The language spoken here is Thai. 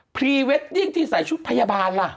พรีเวดดิ้งที่ใส่ชุดพยาบาลล่ะ